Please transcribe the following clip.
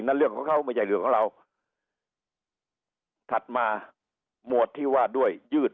เรื่องของเขาไม่ใช่เรื่องของเราถัดมาหมวดที่ว่าด้วยยืด